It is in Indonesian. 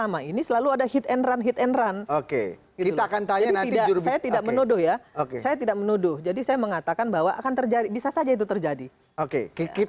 mungkin bisa saja itu terjadi